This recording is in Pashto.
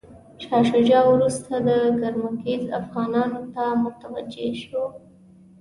شاه شجاع وروسته د ګرمسیر افغانانو ته متوجه شو.